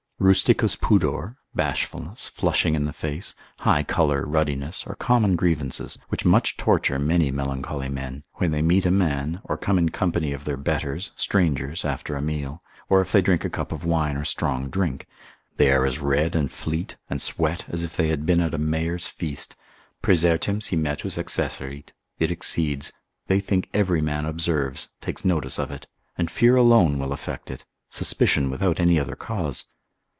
Rusticus pudor, bashfulness, flushing in the face, high colour, ruddiness, are common grievances, which much torture many melancholy men, when they meet a man, or come in company of their betters, strangers, after a meal, or if they drink a cup of wine or strong drink, they are as red and fleet, and sweat as if they had been at a mayor's feast, praesertim si metus accesserit, it exceeds, they think every man observes, takes notice of it: and fear alone will effect it, suspicion without any other cause.